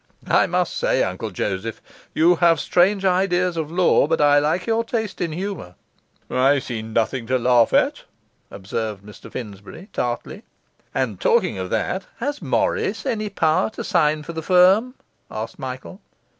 I must say, Uncle Joseph, you have strange ideas of law, but I like your taste in humour.' 'I see nothing to laugh at,' observed Mr Finsbury tartly. 'And talking of that, has Morris any power to sign for the firm?' asked Michael.